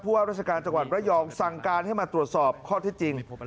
ว่าราชการจังหวัดระยองสั่งการให้มาตรวจสอบข้อที่จริง